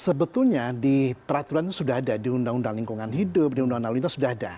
sebetulnya di peraturan itu sudah ada di undang undang lingkungan hidup di undang undang lalu lintas sudah ada